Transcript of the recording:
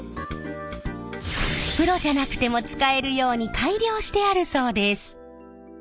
プロじゃなくても使えるように改良してあるそうです。